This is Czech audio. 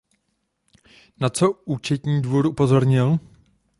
Na co Účetní dvůr upozornil?